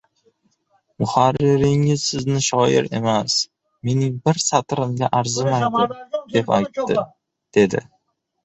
— Muharriringiz sizni shoir emas, mening bir satrimga arzimaydi, deb aytdi, — dedi.